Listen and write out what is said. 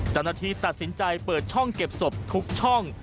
เจ้าหน้าที่ตัดสินใจเปิดช่องเก็บศพทุกช่อง